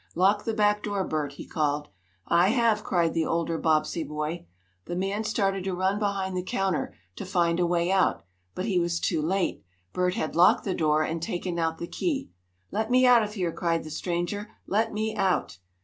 "Lock the back door, Bert," he called. "I have!" cried the older Bobbsey boy. The man started to run behind the counter, to find a way out, but he was too late. Bert had locked the door, and taken out the key. "Let me out of here!" cried the stranger. "Let me out!"